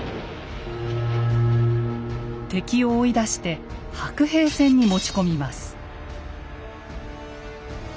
敵を追い出して白兵戦に持ち込みます。